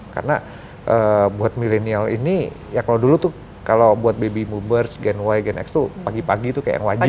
karena buat milenial ini ya kalau dulu tuh kalau buat baby boomers gen y gen x tuh pagi pagi tuh kayak wajib gitu ya